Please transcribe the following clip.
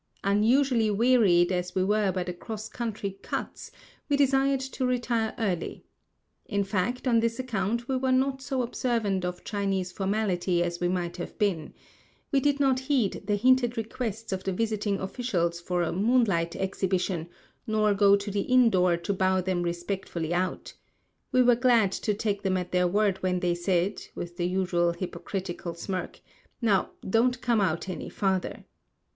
Unusually wearied as we were by the cross country cuts, we desired to retire early. In fact, on this account, we were 190 Across Asia on a Bicycle ENTERING TONG QUAN BY THE WEST GATE. MONUMENTS NEAR ONE SHE CHIEN. VI 191 not so observant of Chinese formality as we might have been. We did not heed the hinted requests of the visiting officials for a moon light exhibition, nor go to the inn door to bow them respectfully out. We were glad to take them at their word when they said, with the usual hypocritical smirk, "Now, don't come out any farther."